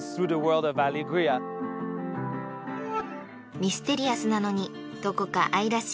［ミステリアスなのにどこか愛らしい］